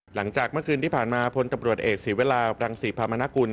หลังจากเมื่อคืนที่ผ่านมาพลตำรวจเอกศีวราบรังศรีพามนกุล